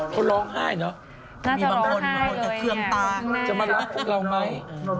คนร้องไห้เนอะน่าจะร้องไห้เลยคนจะเคลือมตาจะมารับพวกเราไหม